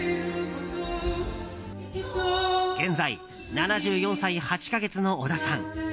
現在、７４歳８か月の小田さん。